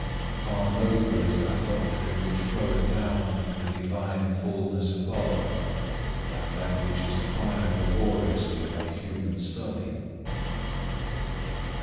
Far nobler is that doctrine which floweth down from the divine fulness above, than that which is acquired laboriously by human study.